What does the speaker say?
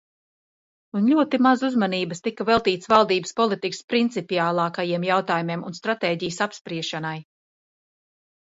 Un ļoti maz uzmanības tika veltīts valdības politikas principiālākajiem jautājumiem un stratēģijas apspriešanai.